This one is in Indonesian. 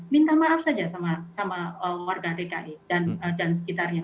minta maaf saja sama warga dki dan sekitarnya